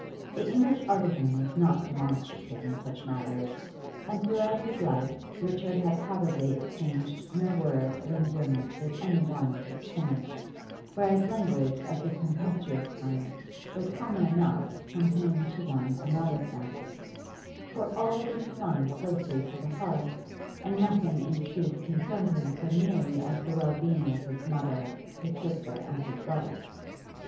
The English artisan is not demonstrative in such matters, and throughout his life Richard had probably exchanged no word of endearment with any one of his kin, whereas language of the tempestuous kind was common enough from him to one and all of them; for all that he clung closely to the hearth, and nothing in truth concerned him so nearly as the well being of his mother, his sister, and his brother.